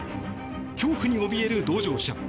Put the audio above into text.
恐怖におびえる同乗者。